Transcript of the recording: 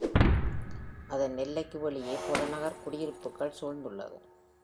அதன் எல்லைக்கு வெளியே புறநகர் குடியிருப்புக்கள் சூழ்ந்துள்ளது.